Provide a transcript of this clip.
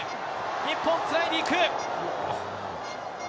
日本、つないでいく。